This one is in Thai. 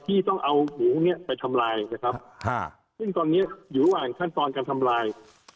ที่ต้องเอาหมูพวกเนี้ยไปทำลายนะครับซึ่งตอนนี้อยู่ระหว่างขั้นตอนการทำลาย